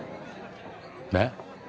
えっ？